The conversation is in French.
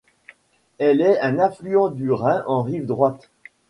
Elle est un affluent du Rhin en rive droite.